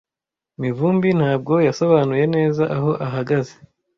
Mivumbi ntabwo yasobanuye neza aho ahagaze.